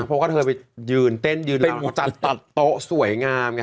เพราะว่าเธอไปยืนเต้นยืนจัดตัดโต๊ะสวยงามไง